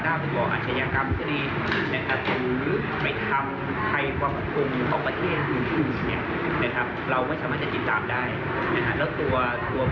กับกระบวนการทำอยู่ในการนำพาคนต่างราว